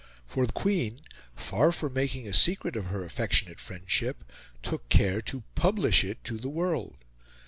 For the Queen, far from making a secret of her affectionate friendship, took care to publish it to the world.